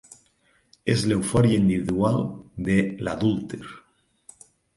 És l'eufòria individual de l'adúlter.